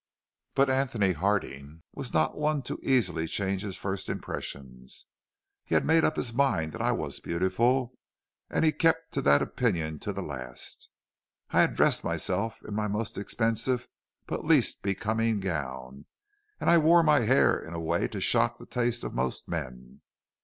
"But Antony Harding was not one to easily change his first impressions. He had made up his mind that I was beautiful, and he kept to that opinion to the last. I had dressed myself in my most expensive but least becoming gown, and I wore my hair in a way to shock the taste of most men.